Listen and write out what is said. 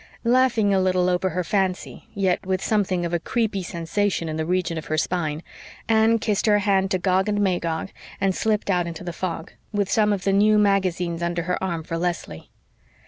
Laughing a little over her fancy, yet with something of a creepy sensation in the region of her spine, Anne kissed her hand to Gog and Magog and slipped out into the fog, with some of the new magazines under her arm for Leslie.